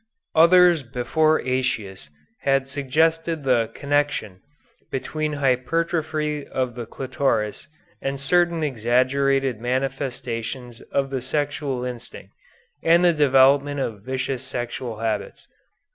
Others before Aëtius had suggested the connection between hypertrophy of the clitoris and certain exaggerated manifestations of the sexual instinct, and the development of vicious sexual habits.